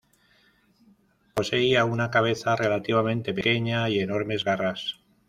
Poseía una cabeza relativamente pequeña y enormes garras.